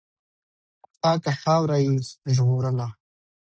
پاکه خاوره یې ژغورله.